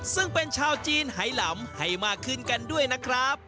ซึ่งเป็นชาวจีนไหลำให้มากขึ้นกันด้วยนะครับ